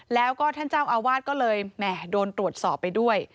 แล้วก็ท่านเจ้าอาวาสก็เลยแหม่โดนตรวจสอบไปด้วย